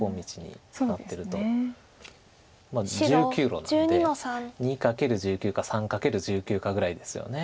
１９路なんで２掛ける１９か３掛ける１９かぐらいですよね。